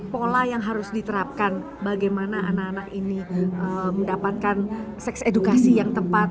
pola yang harus diterapkan bagaimana anak anak ini mendapatkan seks edukasi yang tepat